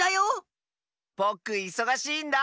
ぼくいそがしいんだ。